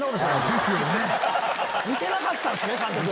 見てなかったんすね監督。